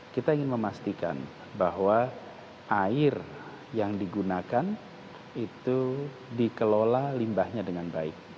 kita ingin memastikan bahwa air yang digunakan itu dikelola limbahnya dengan baik